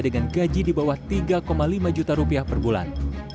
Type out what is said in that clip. dengan gaji di bawah tiga lima juta rupiah per bulan